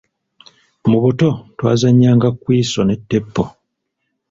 Mu buto twazannyanga kwiso ne ttepo.